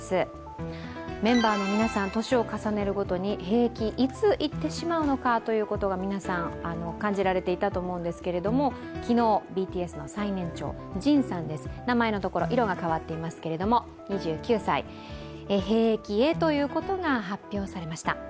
メンバーの皆さん、年を重ねるごとに兵役、いつ行ってしまうのかということが皆さん、感じられていたと思うんですけれども、昨日、ＢＴＳの最年長、ＪＩＮさん、２９歳、兵役へということが発表されました。